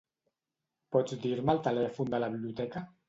Pots dir-me el telèfon de la biblioteca?